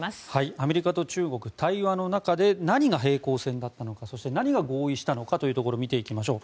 アメリカと中国対話の中で何が平行線だったのかそして何を合意したのかというところ見ていきましょう。